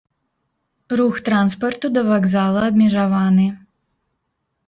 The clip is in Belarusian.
Рух транспарту да вакзала абмежаваны.